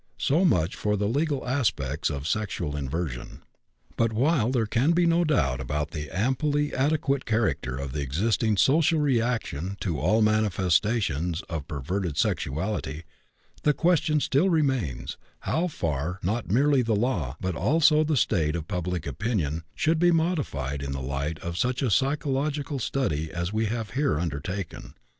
So much for the legal aspects of sexual inversion. But while there can be no doubt about the amply adequate character of the existing social reaction to all manifestations of perverted sexuality, the question still remains how far not merely the law, but also the state of public opinion, should be modified in the light of such a psychological study as we have here undertaken.